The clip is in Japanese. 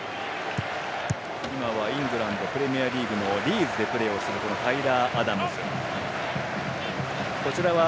今はイングランドプレミアリーグのリーズでプレーするタイラー・アダムズ。